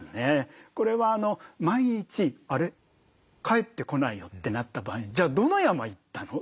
帰ってこないよってなった場合にじゃあどの山行ったの？